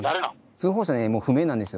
通報者ねもう不明なんですよ。